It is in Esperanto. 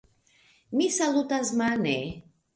Mi salutas mane.